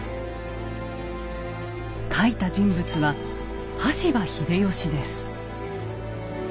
書いた人物は羽柴秀吉です。